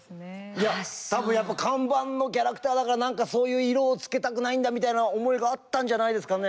いや多分やっぱり看板のキャラクターだから何かそういう色を付けたくないんだみたいな思いがあったんじゃないですかね。